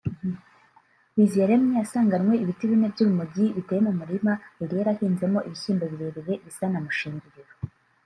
Biziyaremye yasanganwe ibiti bine by’urumogi biteye mu murima yari yarahinzemo ibishyimbo birebire bisa na mushingiriro